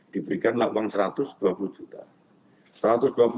diberikanlah uang satu ratus dua puluh juta